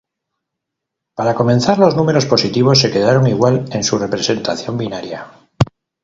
Para comenzar los números positivos se quedarán igual en su representación binaria.